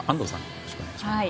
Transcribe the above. よろしくお願いします。